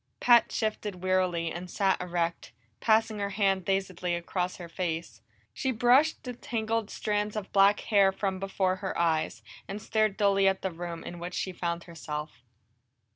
Pat shifted wearily, and sat erect, passing her hand dazedly across her face. She brushed the tangled strands of black hair from before her eyes, and stared dully at the room in which she found herself.